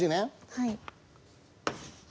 はい。